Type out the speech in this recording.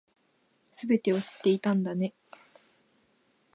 全てを知っていたんだね